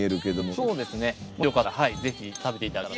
そうですね。